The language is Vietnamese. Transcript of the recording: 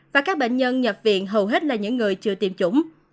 và các bệnh nhân nhập viện hầu hết là những người chưa tiêm chủng